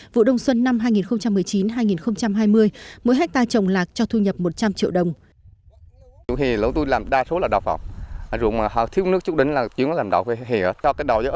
vụ đông xuân năm hai nghìn một mươi chín hai nghìn hai mươi mỗi hectare trồng lạc cho thu nhập một trăm linh triệu đồng